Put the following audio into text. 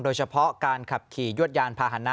โดยเฉพาะการขับขี่ยวดยานพาหนะ